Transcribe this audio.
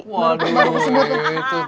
wah dia juga mau sebutin